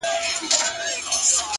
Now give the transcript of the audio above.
هوښیار انتخابونه روښانه پایلې راوړي